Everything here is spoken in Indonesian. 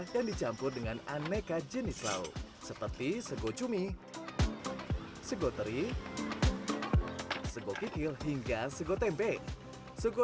dan dicampur dengan aneka jenis laut seperti sego cumi sego teri sego kikil hingga sego tempe sego